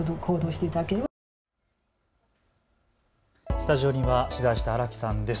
スタジオには取材した荒木さんです。